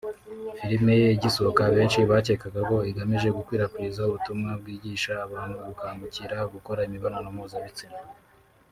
Filime ye igisohoka benshi bakekaga ko ‘igamije gukwirakwiza ubutumwa bwigisha abantu gukangukira gukora imibonano mpuzabitsina’